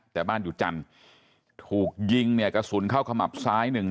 แต่บ้านอยู่จันทร์ถูกยิงเนี่ยกระสุนเข้าขมับซ้ายหนึ่ง